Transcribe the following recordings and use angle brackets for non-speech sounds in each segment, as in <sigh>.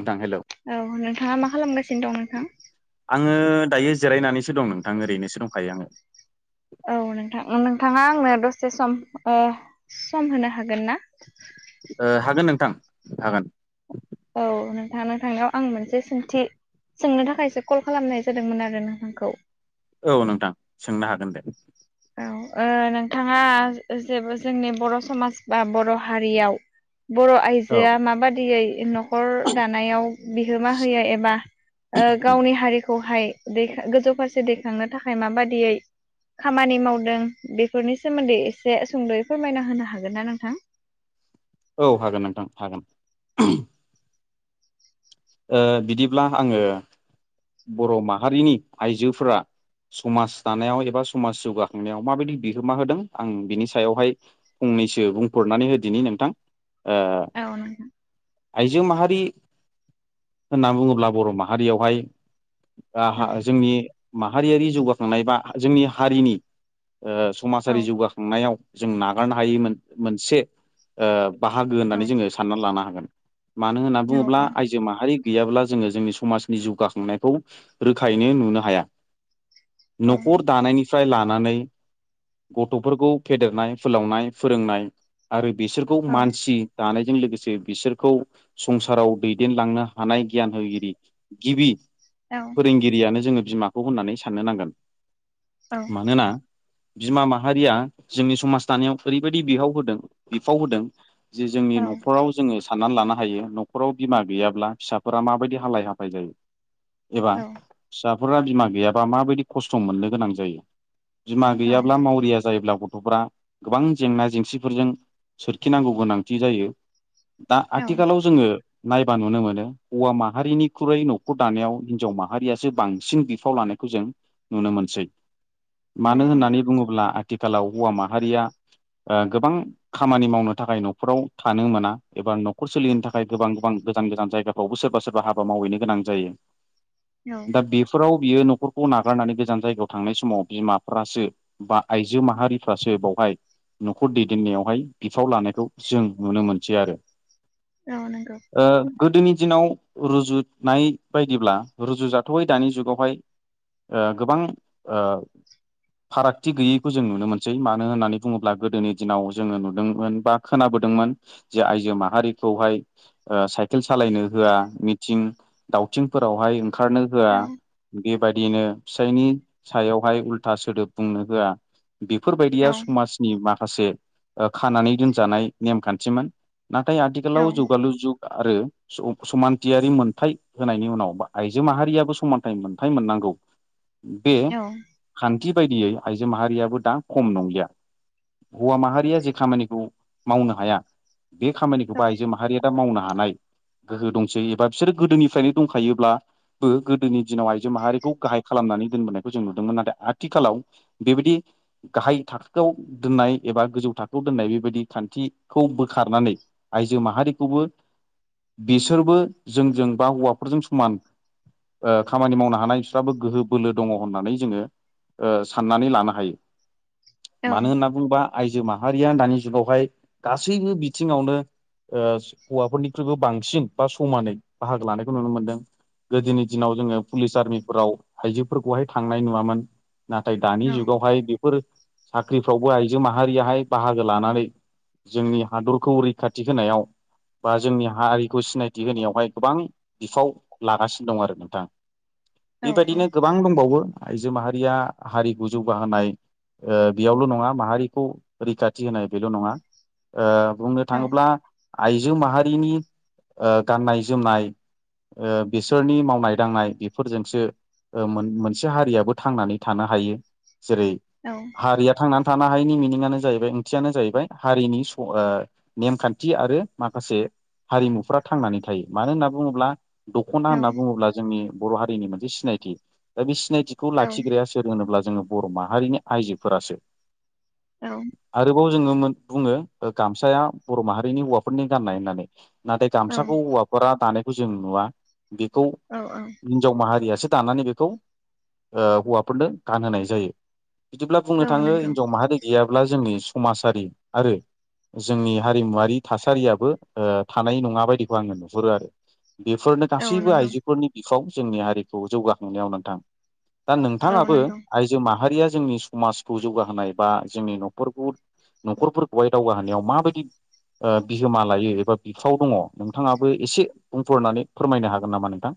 नोंथां हेलौ औ नोंथाङा मा खालामगासिनो दं नोंथां? आङो दायो जिरायनानैसो दं नोंथां, ओरैनोसो दंखायो आङो। औ नोंथां नोंथाङा आंनो दसे सम ओ सम होनो हागोन ना? ओ हागोन नोंथां हागोन। औ नोंथाङ नोंथांनियाव आं मोनसे सोंथि सोंनो थाखायसो कल खालामनाय जादोंमोन आरो नोंथांखौ औ नोंथां, सोंनो हागोन दे। औ, ओ नोंथाङा जेबो जोंनि बर' समाज बा बर' हारियाव बर' औ आइजोआ माबादियै न' खर दानायाव बिहोमा होयो एबा ओ गावनि हारिखौ हाय दै गोजौ फारसे दैखांनो थाखाय माबादियै खामानि मावदों बेफोरनि सोमोन्दै एसे सुंद'यै फोरमायना होनो हागोन ना नोंथां? औ हागोन नोंथां हागोन। ओ बिदिब्ला आङो बर' माहारिनि आइजोफोरा समाज दानायाव एबा समाज जौगाखांनायाव माबायदि बिहोमा होदों आं बिनि सायावहाय फं नैसो बुंहरनानै होदिनि नोंथां। ओ औ नोंथां। आइजो माहारि होनना बुङोब्ला बर' माहारियावहाय ओ जोंनि माहारियारि जौगाखांनाय बा जोंनि हारिनि ओ औ समाजारि जौगाखांनायाव जों नागारनो हायै मोनसे ओ बाहागो औ होननानै जोङो साननानै लानो हागोन। मानो होनना बुङोब्ला आइजो माहारि गैयाब्ला जोङो जोंनि समाजनि जौगाखांनाय खौ रोखायैनो नुनो हाया औ न'खर दानायनि फ्राय लानानै गथ'फोरखौ फेदेरनाय फोलावनाय फोरोंनाय आरो बिसोरखौ मानसि दानाय जों लोगोसे बिसोरखौ संसाराव दैदेनलांनो हानाय गियान होगिरि गिबि औ औ फोरोंगिरियानो जोङो बिमाखौ होननानै साननो नांगोन। मानोना बिमा माहारिया जोंनि समाज दानायाव ओरैबायदि बिहाव होदों बिफाव होदों जे जोंनि औ न'खराव जोङो साननानै लानो हायो न'खराव बिमा गैयाब्ला फिसाफोरा माबायदि हालाय हाफाय जायो। एबा फिसाफोरा बिमा गैयाबा माबायदि खस्थ' मोननो गोनां जायो। बिमा गैयाब्ला मावरिया जायोब्ला ग' थ'फ्रा गोबां जेंना जेंसिफोरजों सोरखिनांगौ गोनांथि जायो। दा आथिखालाव जोङो नायबा नुनो मोनो हौवा माहारिनिख्रुइ न'खर दानायाव हिनजाव माहारियासो बांसिन बिफाव लानायखौ जों नुनो मोनसै। औ मानो होननानै बुङोब्ला आथिखालाव हौवा माहारिया ओ गोबां खामानि मावनो थाखाय न'खराव थानो मोना एबा न'खर सोलिनो थाखाय गोबां गोबां गोजान गोजान जायगाफ्रावबो सोरबा सोरबा हाबा मावहैनो गोनां जायो। दा बेफोराव बियो न'खरखौ नागारनानै गोजान जायगायाव थांनाय समाव बिमाफ्रासो बा आइजो माहारिफ्रासो बावहाय न'खर दैदेननायावहाय बिफाव लानायखौ जों नुनो मोनसै आरो। औ नोंगौ ओ गोदोनि दिनाव रुजुनाय बायदिब्ला रुजुजाथ'यै दानि जुगावहाय ओ गोबां ओ फारागथि गैयैखौ जों नुनो मोनसै मानो होननानै बुङोब्ला गोदोनि दिनाव जोङो नुदोंमोन बा खोनाबो दोंमोन जे आइजो माहारिखौहाय साइकेल सालायनो होआ मिंथिं दाव दावथिंफोरावहाय ओंखारनो औ होआ बे बायदिनो फिसायनि सायावहाय उल्था सोदोब बुंनो होआ औ बेफोरबायदिया समाजनि माखासे ओ खानानै दोनजानाय नेमखान्थिमोन‌ नाथाय औ आथिखालाव जुगालु जुग आरो समानथियारि मोनथाय होनायनि उनावबा आइजो माहारियाबो समानथाइ मोनथाय मोननांगौ बे औ खान थि बायदियै आइजो माहारियाबो दा खम नंलिया। हौवा माहारिया जे खामानिखौ मावनो हाया बे खामानिखौबो औ आइजो माहारिया दा मावनो हानाय गोहो दंसै एबा बिसोरो गोदोनिफ्रायनो दंखायोब्ला बो गोदोनि दिनाव आइजो माहारिखौ गाहाय खालामनानै दोनबोनायखौ जों नुदोंमोन नाथाय आथिखालाव बेबायदि दि गाहाय थाखोआव दोननाय एबा गोजौ थाखोआव दोननाय बेबायदि खान्थिखौ बोखारनानै आइजो माहारिखौबो बिसोरबो जोंजों बा हौवाफोरजों समान ओ खामानि मावनो हानाय बिस्राबो गोहो बोलो दङ होननानै जोङो ओ साननानै लानो हायो। औ मानो होनना बुंबा आइजो माहारिया दानि जुगावहाय गासैबो बिथिङावनो ओ हौवाफोरनिख्रुइबो बांसिन बा समानै बाहागो लानायखौ नुनो मोनदों। गोदोनि दिनाव जोङो पुलिस आर्मिफोराव आइजोफोरखौहाय थांनाय नुवामोन। नाथाय दानि जुगावहाय बेफोर साख्रिफ्रावबो आइजो माहारियाहाय बाहागो लानानै जोंनि हादरखौ रैखाथि होनायाव बा जोंनि हारिखौ सिनायथि होनायावहाय गोबां बिफाव लागासिनो दं आरो नोंथां। बेबायदिनो गोबां दंबावो आइजो माहारिया हारिखौ जौगाहोनाय ओ बेयावल' नङा माहारिखौ रैखाथि होनाय बेल' नङा ओ बुंनो थाङोब्ला आइजो माहारिनि ओ गाननाय जोमनाय ओ बिस बिसोरनि मावनाय दांनाय बेफोरजोंसो मोन-मोनसे हारियाबो थांनानै थानो हायो। जेरै हारिया थांनानै थानो हायिनि मिनिंनो जाहैबाय ओंथियानो जाहैबाय हारिनि स ओ नेमखान्थि आरो माखासे हारिमुफोरा थांनानै थायो। मानो होनना बुङोब्ला द ख'ना होनना बुङोब्ला जोंनि बर' हारिनि मोनसे सिनायथि। दा बे सिनायथिखौ लाखिग्राया सोर होनोब्ला जों बर' माहारिनि आइजोफोरासो। आरोबाव जोङो मोन बुङो ओ गामसाया बर' माहारिनि हौवाफोरनि गाननाय होननानै। नाथाय गामसाखौ हौवाफोरा दानायखौ जों नुवा, बेखौ हिनजाव माहारियासो दानानै बेखौ ओ हौवाफोरनो गानहोनाय जायो। बिदिब्ला बुंनो थाङो हिनजाव माहारि गैयाब्ला जोंनि समाजारि आरो जोंनि हारिमुवारि थासारियाबो ओ थानाय नङा बायदिखौ आङो नुहुरो आरो। बेफोर औ नंगौ औ गासैबो नंगौ आइजोफोरनि बिखाव जोंनि हारिखौ जौगाखांनायाव नोंथां। दा औ नोंथाङाबो नंगौ आइजो माहारिया जोंनि समाजखौ जौगाहोनाय बा जोंनि न'खरखौ न'खरफोरखौहाय दावगाहोनायाव माबायदि ओ बिहोमा लायो एबा बिफाव दङ नोंथाङाबो एसे बुंफोरनानै फोरमायनो हागोन नामा नोंथां?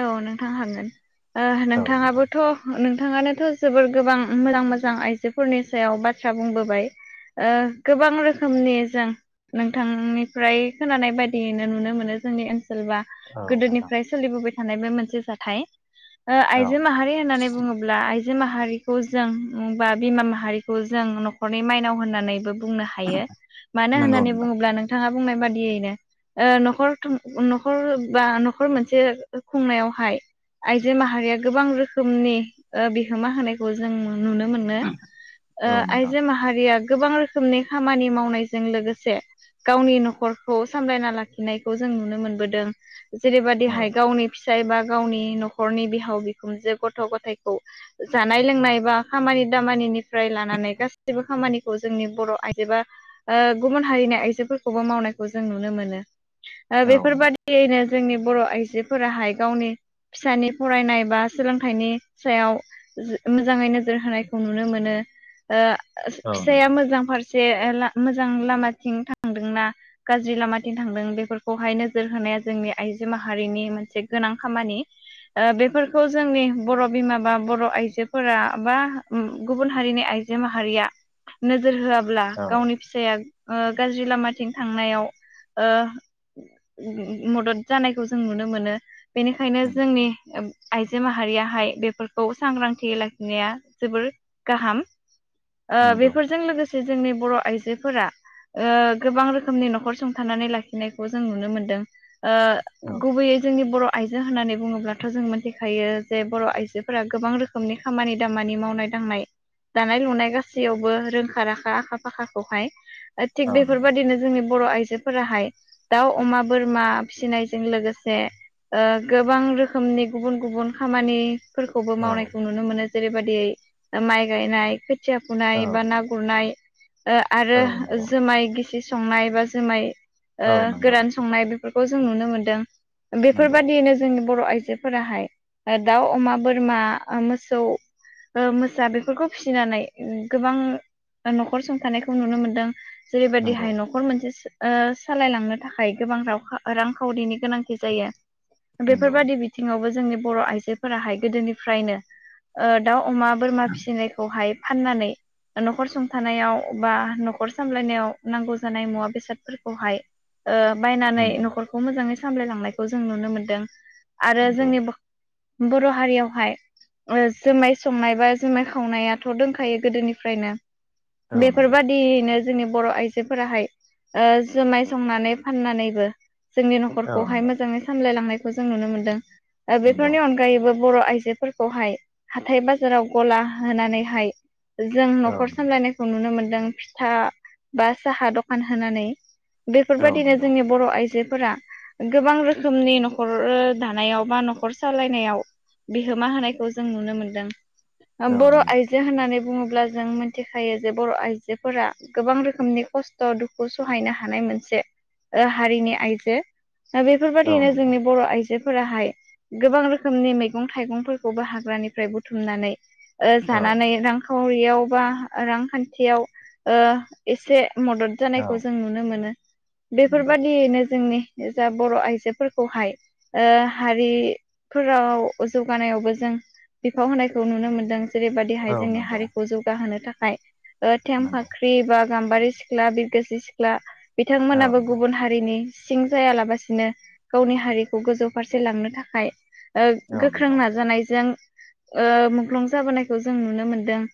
औ नोंथां हागोन। ओ औ नोंथां नोंथाङाबोथ' नोंथाङानोथ' जोबोर गोबां मोजां मोजां आइजोफोरनि सायाव बाथ्रा बुंबोबाय। ओ गोबां रोखोमनि जों नोंथांनिफ्राय खोनानाय बायदियैनो नुनो मोनो जोंनि ओनसो सोलबा औ नोंथां गोदोनिफ्राय सोलिबोबाय थानाय बे मोनसे जाथाय। ओ औ आइजो माहारि होननानै बुङोब्ला आइजो जो माहारिखौ जों बा बिमा माहारिखौ जों न'खरनि माइनाव होननानैबो बुंनो हायो। मानो नोंगौ होननानै नोंथां बुङोब्ला नोंथाङा बुंनाय बादियैनो ओ न'खर थं न'खर बा न'खर मोनसे खुंनायावहाय आइजो माहारिया गोबां रोखोमनि बिहोमा होनायखौ जों नुनो मोनो। ओ औ नोंथां आइजो माहारिया गोबां रोखोमनि खामानि मावनायजों लोगोसे गावनि न'खरखौ सामलायना लाखिनायखौ जों नुनो मोनबोदों। जेरैबायदि औ हाय फिसाइ बा गावनि न'खरनि बिहाव बिखुनजो गथ' गथायखौ जानाय लोंनाय बा खामानि खामानि दामानिनिफ्राय लानानै गासिबो खामानिखौ जोंनि बर' आइजो बा ओ गुबुन हारिनि आइजोफोरखौबो मावनायखौ जों नुनो मोनो। ओ औ नंगौ बेफोरबादियैनो जोंनि बर' आइजो फोराहाय गावनि फिसानि फरायनाय बा सोलोंथाइनि जो सायाव मोजाङै नोजोर होनायखौ नुनो मोनो। ओ औ फिसाया नंगौ मोजां फारसे जे ला मोजां लामाथिं थांदोंना गाज्रि लामाथिं थांदों बेफोरखौहाय नोजोर होनो जोंनि आइजो माहारिनि मोनसे गोनां खामानि ओ बेफोरखौ जोंनि बर' बिमा बा बर' आइजोफोरा बा गुबुन हारिनि आइजो आइजो माहारिया नोजोर होआब्ला औ गावनि फिसाया ओ गाज्रि लामाथिं थांनायाव ओ मदद जानायखौ जों नुनो मोनो बेनिखायनो नंगौ जोंनि आइजो माहारियाहाय बेफोरखौ सांग्रांथि लाखिनाया जोबोर गाहाम । ओ नंगौ बेफोरजों लोगोसे जोंनि बर' आइजोफोरा ओ गोबां रोखोमनि न'खर संथानानै लाखिनायखौ जों नुनो मोनदों। ओ औ गुबैयै जोंनि बर' आइजो होननानै बुङोब्लाथ' जों मोन्थिखायो जे बर' आइजोफोरा गोबां रोखोमनि खामानि दामानि मावनाय दांनाय दानाय लुनाय गासैयावबो रोखा राखा आखा फाखा खौहाय ओथिग औ बेफोर नंगौ बादिनो जोंनि बर' आइजोफोराहाय दाव, अमा, बोरमा फिसिनायजों लोगोसे से ओ गोबां रोखोमनि गुबुन गुबुन खामानि फोरखौबो औ मावनायखौ नुनो मोनो जेरैबादियै माइ गायनाय खोथिया औ फुनाय बा ना गुरनाय ओ आरो औ नंगौ जोमाय गिसि संनाय बा जोमाय ओ औ नंगौ गोरान संनाय बे फोरखौ जों नुनो मोनदों नंगौ बेफोरबादियैनो जोंङो बर' आइजोफोराहाय ओ दाउ अमा बोरमा ओ मोसौ ओ मोसा बेफोरखौ फिसिनानै गोबां ओ न'खर संथानायखौ नुनो मोनदों नंगौ जेरैबादिहाय न'खर मोनसे ओ सालायलांनो थाखाय गोबां रावखा रांखावरिनि गोनां थि जायो नंगौ बेफोरबादि बिथिङावबो जोंनि बर' आइजोफोराहाय गोदोनिफ्रायनो ओ दाउ अमा बोरमा फिसिनायखौहाय फाननानै न'खर संथानायाव बा न'खर सामलायनायाव नांगौ जानाय मुवा बेसादफोरखौहाय ओ बायनानै नंगौ न'खरखौ मोजाङै सामलायलांनायखौ जों नुनो मोनदों । आरो नंगौ जोंनि बर' हारियावहाय ओ जोमाय संनाय बा जोमाय खावनायाथ' दंखायो गोदोनिफ्रायनो औ नंगौ बेफोरबादियैनो जोंनि बर' आइजोफोराहाय ओ जोमाय संनानै फाननानैबो जोंनि न'खर औ खौहाय नंगौ मोजाङै सामलायलांनायखौ जों नुनो मोनदों ओ नंगौ बेफोरनि अनगायैबो बर' आइजोफोरखौहाय हाथाय बाजाराव गला होनानैहाय जों औ न'खर सामलायनायखौ नुनो मोनदों फिथा बा साहा दखान होनानै औ बेफोरबायदिनो नंगौ जोंनि बर' आइजोफोरा गोबां रोखोमनि न'खर ओ दानायाव बा न'खर सालायनाय बिहोमा होनायखौ जों नुनो मोनदों औ बर नंगौ आइजो होन्नानै बुङोब्ला जों मिथिखायो जे बर' आइजोफोरा गोबां रोखोमनि दुखु खस्त सहायनो हानाय बादि मोनसे ओ हारिनि आइजो दा औ बेफोरबायदिनो नंगौ जोंनि बर' आइजो फोराहाय गोबां रोखोमनि मैगं थाइगंफोरखौबो हाग्रानिफ्राय बुथुमनानै ओ औ जानानै रांखावरियाव बा रांखान्थियाव ओ एसे मदद औ जानायखौ जों नुनो मोनो नंगौ बेफोरबादियैनो जोंनि जा बर' आइजोफोरखौहाय ओ हारि फोराव जौगानायावबो जों बिफाव होनायखौ नुनो मोनदों जेरैबायदिहाय औ जोंनि नंगौ हारिखौ जौगाहोनो थाखाय ओ थें नंगौ फाख्रि बा गाम्बारि सिख्ला बिरगोसि सिख्ला औ बिथांमोनाबो नंगौ गुबुन हारिनि सिं जायालाबासिनो गावनि हारिखौ गोजौ फारसे लांनो थाखाय ओ औ गोख्रों नंगौ नाजानायजों ओ मुंख्लं जाबोनायखौ जों नुनो मोनदों ।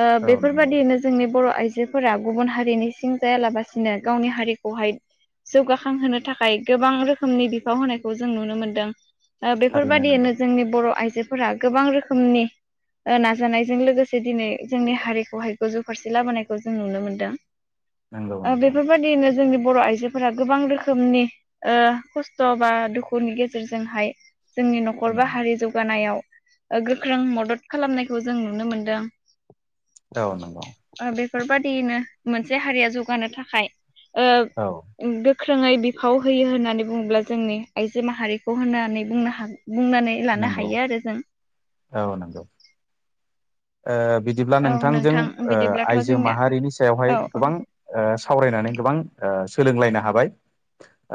ओ औ नंगौ बेफोरबादियैनो जोंनि बर' आइजोफोरा गुबुन हारिनि सिं जायालाबासिनो गावनि हारिखौहाय जौगाखांहोनो थाखाय गोबां रोखोमनि बिफाव होनायखौ जों नुनो मोनदों ओ थारैनो नंगौ बेफोरबायदियैनो जोंनि बर' आइजो आइजोफोरा गोबां रोखोमनि ओ नाजानायजों लोगोसे दिनै जोंनि हारिखौहाय गोजौ फारसे लाबोनायखौ जों नुनो मोनदों नंगौ ओ नंगौ बेफोरबायदिनो जोंनि बर' आइजोफोरा गोबां रोख खोमनि ओ खस्थ' बा दुखुनि गेजेरजोंहाय जोंनि न'खर बा औ हारि जौगानायाव ओ गोख्रों मदद खालामनायखौ जों नुनो मोनदों औ नोंगौ फोरबायदियैनो मोनसे हारिया जौगानो थाखाय औ ओ गोख्रो ख्रोङै बिफाव होयो होननानै बुङोब्ला जोंनि आइजो माहारिखौ होननानै बुंनो हागोन बुंनानै लानो नंगौ हायो आरो जों औ नंगौ ओ बिदिब्ला औ नोंथांजों नोंथां बिदिब्लाथ' आइजो जोंनिया माहारिनि सायावहाय औ औ गोबां सावरायनानै गोबां सोलोंलायनो हाबाय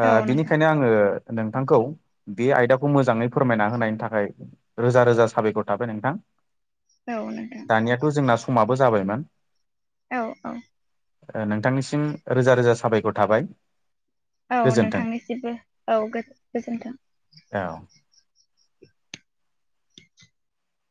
ओ औ नोंथां बिनिखायनो आंङो नोंथांखौ बे आयदाखौ मोजांङै फोरमायना होनायनि थाखाय रोजा रोजा साबायखर थाबाय नोंथां <inaudible> औ नोंथां दानियाथ' जोंना समाबो जाबायमोन औ औ ओ नोंथांनिसिम रोजा रोजा साबायखर थाबाय औ गोजोन्थों नोंथांनिसिबो औ गोजोन्थों <unintelligible>